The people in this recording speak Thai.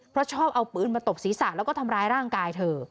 เพราะชอบเอาปืนมาตบศีรษะแล้วก็ทำร้ายร่างกายเธอ